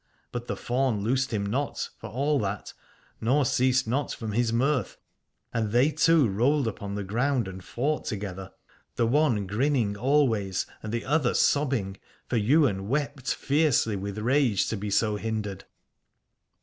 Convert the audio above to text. But the faun loosed him not for all that, nor ceased not from his mirth, and they two rolled upon the ground and fought together, the one grinning always 208 Aladore and the other sobbing, for Ywain wept fiercely with rage to be so hindered.